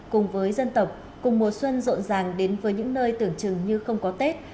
cùng với dân tộc cùng mùa xuân rộn ràng đến với những nơi tưởng chừng như không có tết